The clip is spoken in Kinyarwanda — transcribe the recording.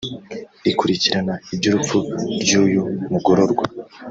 rikurikirana iby’urupfu rw’uyu mugororwa